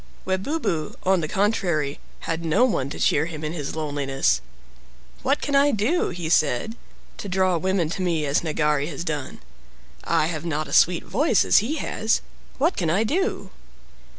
Webubu, on the contrary, had no one to cheer him in his loneliness. "What can I do," he said, "to draw women to me as Nagari has done? I have not a sweet voice as he has. What can I do?"